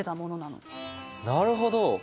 なるほど！